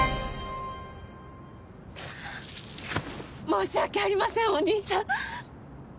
申し訳ありませんお義兄さん。